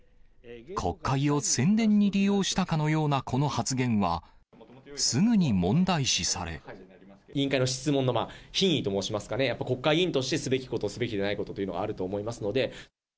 国会を宣伝に利用したかのようなこの発言は、すぐに問題視され。委員会の質問の品位と申しますかね、やっぱ国会議員としてすべきこと、すべきでないことというのがあると思いますので。